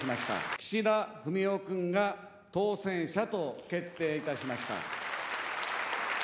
岸田文雄君が当選者と決定いたしました。